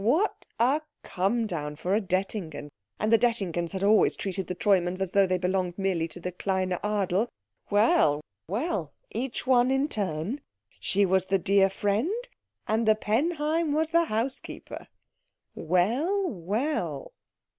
What a come down for a Dettingen! And the Dettingens had always treated the Treumanns as though they belonged merely to the kleine Adel. Well, well, each one in turn. She was the dear friend, and the Penheim was the housekeeper. Well, well.